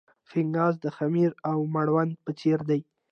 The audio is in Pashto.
فنګس د خمیر او مړوند په څېر دي.